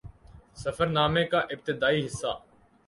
سفر نامے کا ابتدائی حصہ